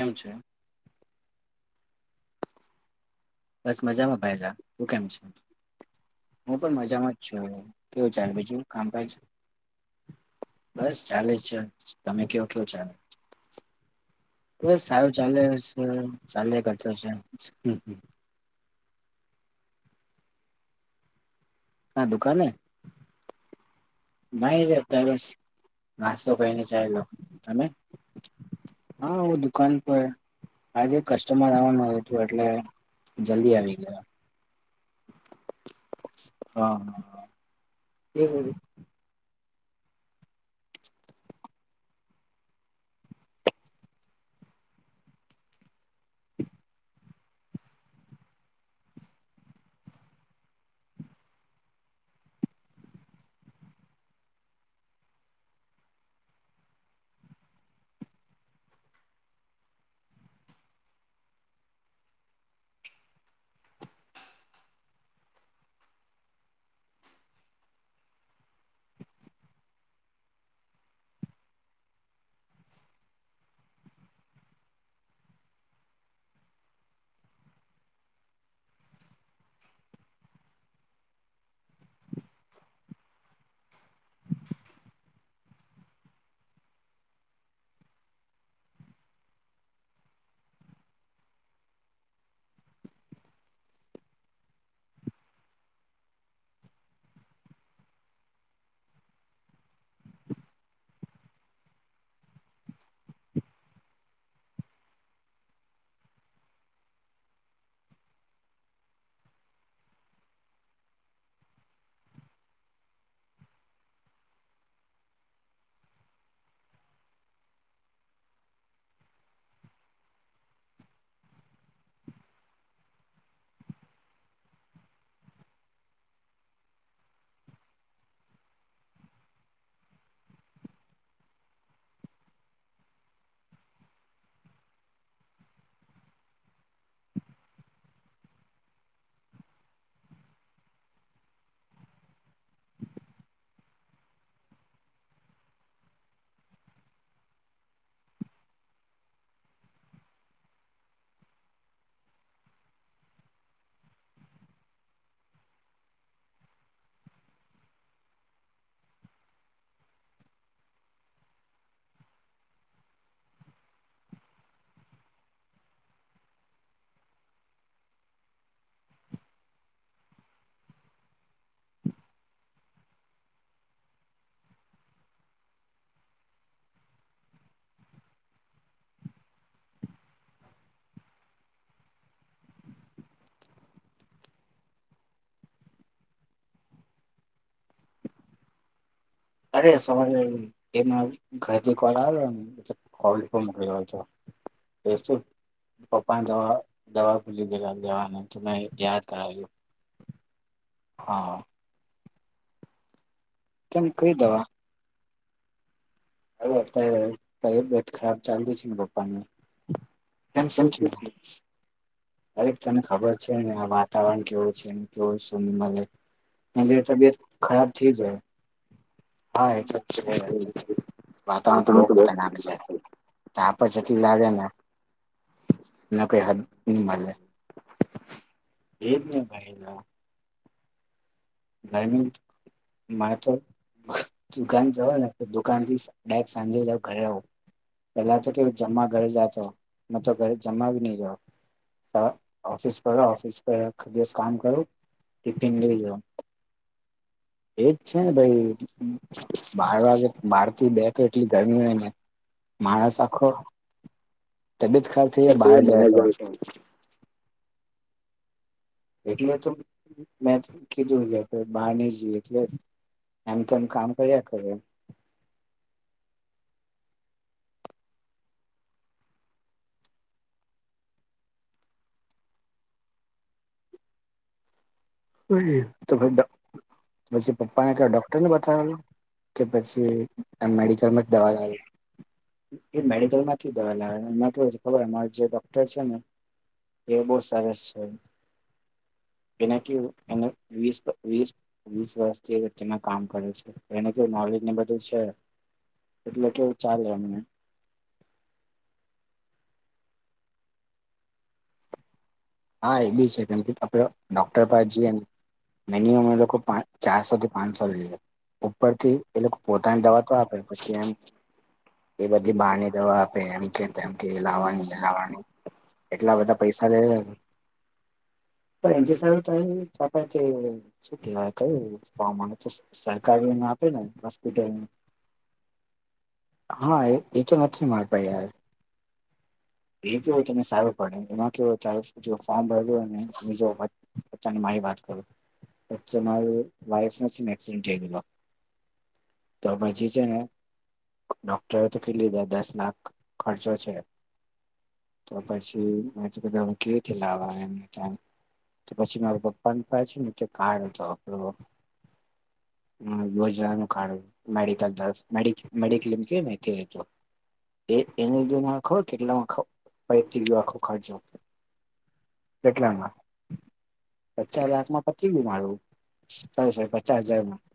એમ છે. બસ મજામાં ભાઈલા તું કેમ છે? હું પણ મજામાં જ છું [unintelligible] બસ ચાલે જ છે, તમે કેવો કેવો ચાલે બસ સારું ચાલે છે, ચાલયા કરતો છે. હા દેખો ને [inaudible] [inaudible] આજે કસ્ટમર આવાનું હતું એટલે જલ્દી આવી ગયો હ હ એવુ અરે સોરી એમાં ઘરથી કોલ આવેલોને કોલ મોકલ્યો હતો. [inaudible] પપ્પા ને દવા દવા ભૂલી ગેલા દેવાને ત યાદ કરાવ્યું. હ. કેમ કયી દવા? હ અત્યારે તબિયત ખરાબ ચાલતી છે, પપ્પાની [inaudible] અરે તને ખબર છે, ને આ વાતાવરણ કેવું છે [unintelligible] એટલે તબીયત ખરાબ થે જાય હા એક જ છે, વાતાવરણ તો બો ખતરનાક છે. તાપ જ એટલું લાગે ને ને કંઈ હડની મલે એજ ને ભાયલા ગરમી માતો દુકાન જવો ને તો દુકાનથી ડાયક સાંજે જાવ ઘરે આવો. પેલા તો કેવું જમવા ઘરે જાતો. મે તો ઘરે જમવા બી નહી ગયો. ઓફિસ પર ઓફિસ પર આખો દિવસ કામ કરું ટિફિન લઈ જાવ. [inaudible] માણસ આખો [inaudible] એટલે તો મેં કીધું કે આપણે બહાર નહીં જઈએ એટલે એમ તેમ કામ કર્યા કરે. હમ તો પછી પપ્પાને ક્યાં ડોક્ટરને બતાવેલું? કે પછી એમ મેડિકલમાંથી દવા લાવી? એ મેડિકલમાંથી દવા લાવે એ તો ખબર અ જે ડોક્ટર છે ને એ બહુ સરસ છે. એને કહેવું એને વીસ વીસ વીસ વર્ષ જેવી તેમાં કામ કર્યું છે એને કેવું નોલેજ ને બધું છે. એટલે કેવું ચાલે અમને. હા એ બી છે કેમ કે આપણે ડોક્ટર પાહે જીએને મિનિમમ એ લોકો ચારસોથી પાંચસો લઈએ. ઉપરથી એ લોકો પોતાની દવા તો આપે પછી એમ એ બધી બહારની દવા આપે એમ કે કે લાવવાની એ લાવવાની એટલા બધા પૈસા લઇ લે ને પણ એ સાલુ કાય કે શું કેવાય કયું ફોમ આવતું સે સરકારીને આપે ને હોસ્પિટલને હા એ એતો નથી મારિ પાહે યાર. એ કેવું તને સારું પડે એમાં કેવું તારું જો ફોર્મ ભરેલું હોય ને [inaudible] હવે તને મારી વાત કરું વચ્ચે મારી વાઈફને છે ને એક્સિડન્ટ થઈ ગયો તો. તો પછી છે ને ડોક્ટરો તો કે લીધા દસ લાખ. ખર્ચો છે. તો પછી મે તો કીધું હવે કેવી રીતે લાવવા એમ તો પછી માર પપ્પાને પાછી મૂક્યા કાર્ડ હતો પેલો હમ યોજનાનું કારણ મેડિકલ તરફ મેડિ મેડિક્લેમ કેને તે હતો એ એને જો નાખો કેટલામાં પેતી ગયો આખો ખર્ચો. કેટલામાં? પચા લાખમાં પતી ગયું મારું. સોરી સોરી પચાસ હજારમાં. [inaudible]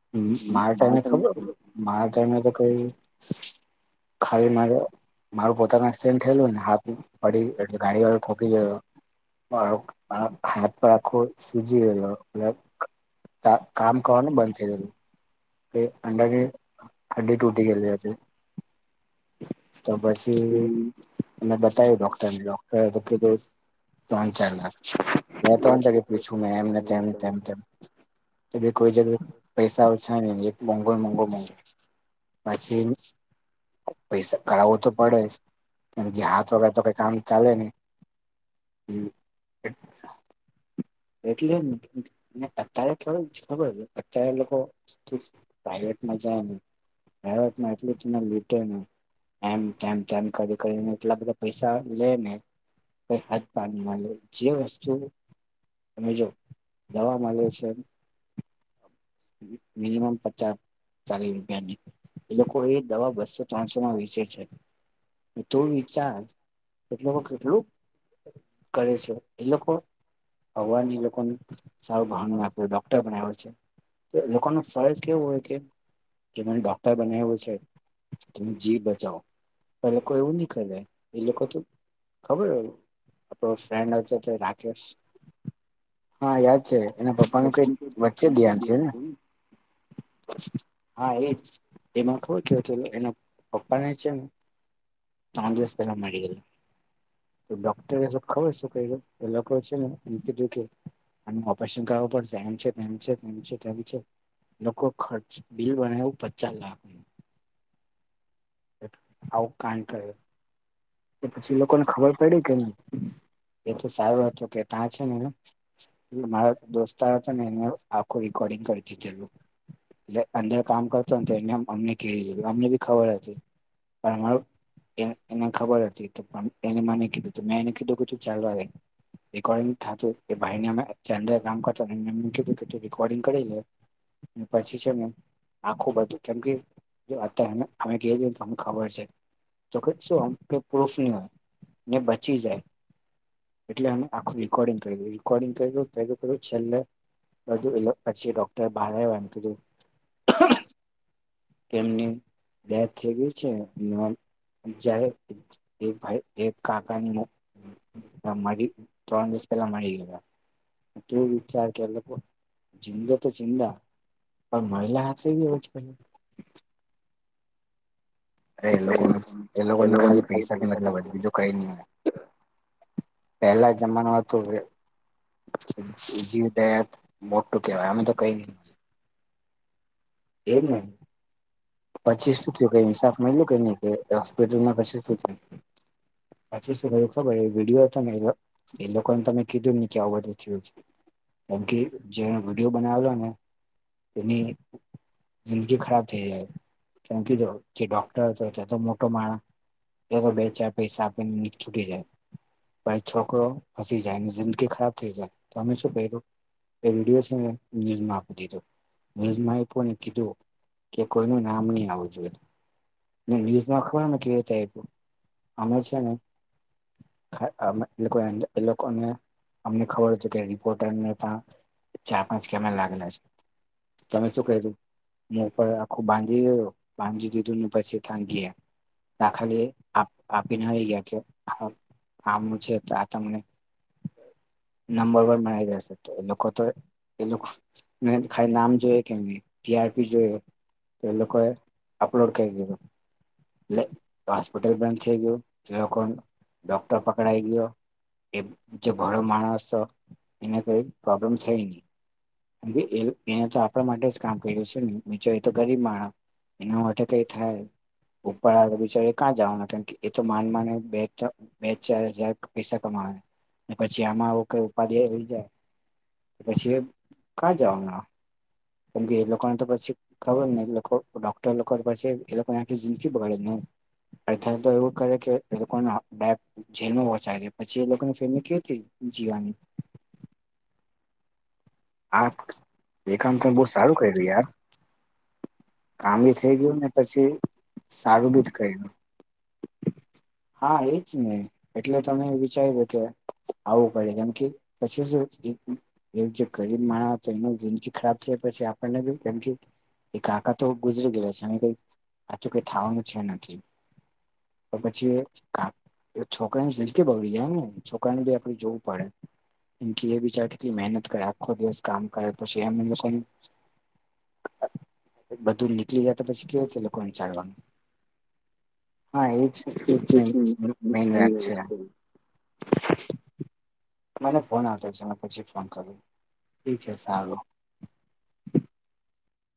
[inaudible] ખાલી મારે મારું પોતાનું એક્સિડેન્ટ થયેલું ને હાથ પડી એટલે ગાડી વાળ ખ મારો હાથ પર આખો સુજી ગયલો મતલબ કા કામ કરવાનું બંધ થઈ ગેલું કે અંદરની હડ્ડી તૂટી ગયેલી હતી. તો પછી અમે બતાવ્યું ડોક્ટરને ડોક્ટરે તો કીધું [inaudible] [inaudible] પછી પૈસા કરાવવું તો પડે જ. કેમ કે હાથ વગર તો કઈ કામ ચાલે નહી. હમ [inaudible] એટલે જને અત્યારે થ ખબર છે અત્યારે લોકો પ્રાઈવેટમાં જવાનું ને પ્રાઈવેટમાં એટલું તમને લૂટે ન. એમ તેમ તેમ કરી કરીને એટલા બધા પૈસા લે ને. કોઈ હાથ પાણી ના લે જે વસ્તુ તમે જો દવા મલે છે. મિનિમમ પચા ચાલીસ રૂપિયાની એ લોકો એ દવા બસો ત્રણસોમાં વેચે છે, તો વિચાર એટલો કેટલું કરે છે, એ લોકો ભગવાનજી લોકો સારું ભ ડોક્ટર બના છે. તો એ લોકો ન ફરજ કેવો હોય કે, જે ડોક્ટર બનાવવું છે. તમે જી બચાવ, પણ લોકો એવું નહી કરે એ લોકો તો ખબર એ આપણો ફ્રેન્ડ હ હતો તે રાકેશ. હા યાદ છે એના પપ્પાનું કઈ વચ્ચે જ ધ્યાન છે ને? [inaudible] એજ એમાં ખવું કેવો થ એના પપ્પા ને છે. ત્રણ દિવસ પેલા મળી ગેલી. તો ડોક્ટરે એબ ખબર છે કે એ લોકો છે ને એમ કીધું કે. અને ઓપરેશન કરવું પડશે એમ છે તેમ છે. એમ છે તેમ છે, લોકો ખર્ચ બિલ બને એવું પચાસ લાખ. આવું કઈ કર. કે પછી લોકોને ખબર પડી કેમ એ તો સારો હત કે ત્યાં છે, નેલે મારા દોસ્તાર હતા ને એને આખું રેકોર્ડિંગ કરતી પલું, એટલે અંદર કામ કરતોને તો એને અમને કે અમને બી ખબર હતી, પણ અમારો એને ખબર હતી. પણ એને મને કીધું મેં એને કીધું કે તું ચાલવા. રેકોર્ડિંગ થતું એ ભાઈને મીધું કે રેકોર્ડિંગ કરી લે. પછી છે ને. આખું બધું કેમ કે જો અત્યારે અમે ક તો અમ ખબર છે. તો કે શું આમ કે પ્રૂફ નહી, હોય ને બચી જાય. એટલે આખું રીકોર્ડિંગ કર્યું રીકોર્ડિંગ કરી છેલ્લે બધું એ પછી ડોક્ટર બહાર વાંધતું હતું. તેમની ડેથ થઈ ગય છે. જયારે એ ભાઈ એક કાકાની મડી ત્રણ દિવસ પેલા મડી ગધ. એટું વિચાર કે એ લોકો જિંદો તો જિંદા. પણ મરેલા હા એવી હો જ પ અરે એ લોકો એ લોકોને ખાલી પૈસા થી મતલબ વધ બીજું કઈ નહી હો. પેલા જમાના તો જી મોટું કેવાય અમે તો કઈ નઇ. એ જ ને. પછી શું થયું કઈ ઇન્સાફ મળ્યું કઈ નઈ કે હોસ્પિટલમાં પછી શું થયું? પછી તો ખબર વિડીયો હતો. એ લોકોને તમે કીધું ને કે આવું બધું થયું છે, કેમ કે જેનો વિડીયો બનાવેલો ને, તેની જિંદગી ખરાબ થઈ જાય, જો જે ડોક્ટર હતો ત્યા તો મોટો માણસ. એ તો બે ચાર પૈસા આપીને ન છૂટી જાય. ભાઈ છોકરો ફસી જાય ને જિંદગી ખરાબ થઈ જાય, તોમે શું કહે્યું. એ વિડીયો છે ને ન્યૂઝ મા આપી દીધું, ન્યૂઝમાં આપોને કીધું, કે કોઈ ન નામ નહી આવવું જોઈ. ન્યૂઝમાં ખબર ને કે થ, અમે છે ને. એ લોકો એ લોકોને અમને ખબર હત કે ટ ને પણ ચાર પાંચ કેમેરા લાગેલા છે. તમે શું કર્યું, હું ઉપર આખું બાંધી દ બાંધી દીધું ને પછી થાં ગી દખલી આપીને હોય ગયા કે આ છે તમને નંબર વન મનાઈ જશે તો લોકો તો એ ખા નામ જોઈએ કે નહી ટીઆરપી જોઈએ. તો લોકોએ અપલોડ ક દીધું. એ હોસ્પિટલ બંધ થઈ ગયું એ લોકો ડોક્ટર પકડાય ગયો. એ જે ભડો માણસ હતો એને કઈ પ્રોબ્લેમ થઈ. એ એને તો આપણા માટે જ કામ કર્યું છે ને બીચો એતો ગરીબ માણસ એના માટે કઈ થાય. ઉપર આવે તો બિચાર ક્યાં જવાના કેમ કે એ તો માન માને બે બે ચાર હજાર પૈસા કમાવે પછી આમાં આવું કઈ ઉપાધિ લઈ જાય પછી કાં જવાના કેમ કે એ લોકોને તો પછી ખબર ને એ લોકો ડોક્ટર લોકો પાછ એ લોકો આખી જિંદગી બગાડે ને અધન તો એવું કરે કે એ લોકોને જેલમાં પહોંચ પછી એ લોકોની ફેમિ કે જીવાની અ [unintelligible] એ કામ તમે બહુ સારું કર્યું યાર. કામી થઈ ગયું ને પછી સારું બી કરું. હા એજ ને એટલે અમે વિચાર્યું કે આવું પડે કેમ કે પછી જે ગરીબ માણ હતો એનો જિંદગ ખરાબ છે પછી આપણને બ કેમ કે એક કાકા તો ગુજરી ગયા છે અને કઈ આચું કઈ થવાનું છે નથી. તો પછી છોકરાને જિંદગી બગડી જાય ને છોકરાને બી આપે જોવું પડે. એમ એ બચાર કેટલી મહેનત કરે આખો દિવસ કામ કરે તો કેમ લોકો બધું નીકળી જાય તો પછી કેવું છે લોકોને [unintelligible] મને ફોન આવતો છે પછી ફોન કર્યો ઠીક.